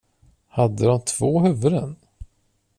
Hade de två huvuden?